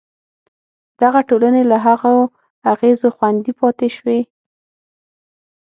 دغه ټولنې له هغو اغېزو خوندي پاتې شوې.